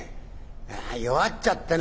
弱っちゃってね。